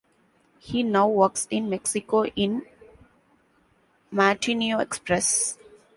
He now works in Mexico in Matutino Express.